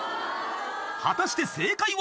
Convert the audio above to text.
［果たして正解は？］